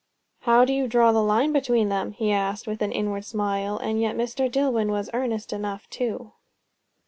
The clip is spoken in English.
"How do you draw the line between them?" he asked, with an inward smile; and yet Mr. Dillwyn was earnest enough too.